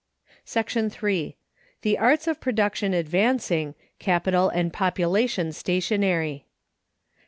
The arts of production advancing, capital and population stationary.